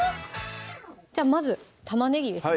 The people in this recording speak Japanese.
じゃあまず玉ねぎですね